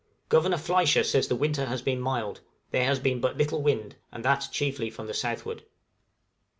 Governor Fliescher says the winter has been mild; there has been but little wind, and that chiefly from the southward.